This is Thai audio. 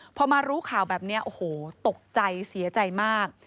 พอมารู้ข่าวแบบนี้โอ้โหตกใจเสียใจมาก